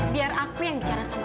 biar aku yang bicara sama